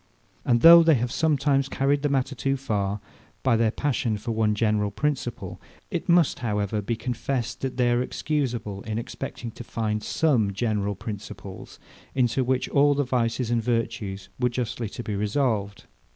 And though they have sometimes carried the matter too far, by their passion for some one general principle; it must, however, be confessed, that they are excusable in expecting to find some general principles, into which all the vices and virtues were justly to be resolved.